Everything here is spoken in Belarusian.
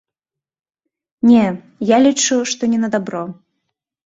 Не, я лічу, што не на дабро.